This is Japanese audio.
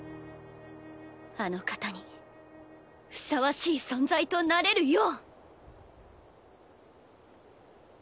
あの方にふさわしい存在となれるよう。